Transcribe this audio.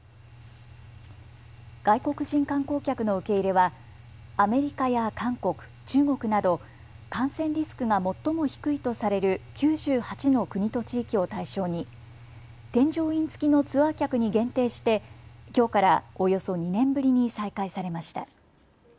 外国人観光客の受け入れはアメリカや韓国、中国など感染リスクが最も低いとされる９８の国と地域を対象に添乗員付きのツアー客に限定してきょうからおよそ２年ぶりに再開されました。